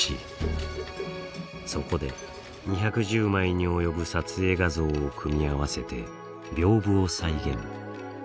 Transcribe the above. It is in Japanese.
そこで、２１０枚に及ぶ撮影画像を組み合わせて屏風を再現。